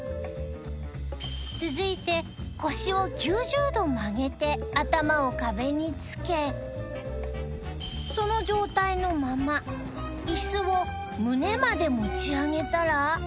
続いて腰を９０度曲げて頭を壁につけその状態のままイスを胸まで持ち上げたら